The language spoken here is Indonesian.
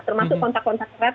termasuk kontak kontak erat